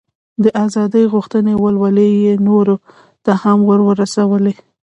د ازادۍ غوښتنې ولولې یې نورو ته هم ور ورسولې.